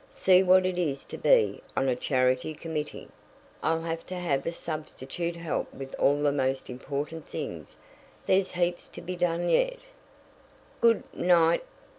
See what it is to be on a charity committee! I'll have to have a substitute help with all the most important things there's heaps to be done yet." "Good nig h t!"